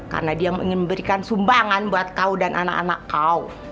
karena dia ingin memberikan sumbangan buat kau dan anak anak kau